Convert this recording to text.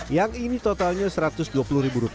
yang ini totalnya rp satu ratus dua puluh